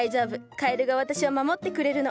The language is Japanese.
カエルが私を守ってくれるの。